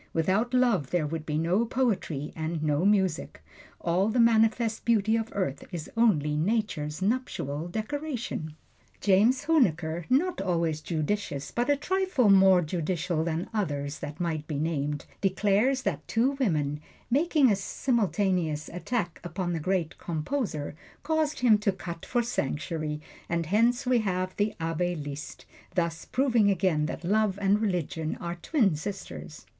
Without love there would be no poetry and no music. All the manifest beauty of earth is only Nature's nuptial decoration. James Huneker, not always judicious, but a trifle more judicial than others that might be named, declares that two women, making a simultaneous attack upon the great composer, caused him to cut for sanctuary, and hence we have the Abbe Liszt, thus proving again that love and religion are twin sisters.